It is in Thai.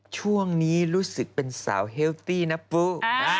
ช่วงนี้รู้สึกเป็นสาวเฮลตี้นะปุ๊